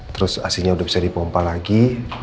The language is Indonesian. terus asinya udah bisa dipompa lagi